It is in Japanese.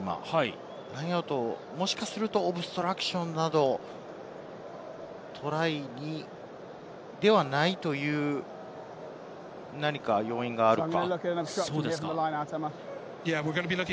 ラインアウト、もしかするとオブストラクションなどトライではないという、何か要因があるのか。